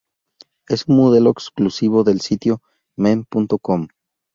Es un modelo exclusivo del sitio Men.com.